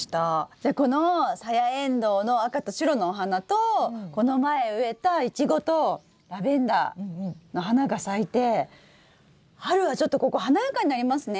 じゃこのサヤエンドウの赤と白のお花とこの前植えたイチゴとラベンダーの花が咲いて春はちょっとここ華やかになりますね！